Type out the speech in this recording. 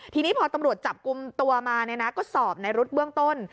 ทีนี้พอตำรวจจับกลุ่มตัวมาก็สอบในรุ๊ดเบื้องต้น